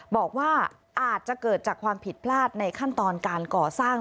บอกว่าอาจจะเกิดจากความผิดพลาดในขั้นตอนการก่อสร้าง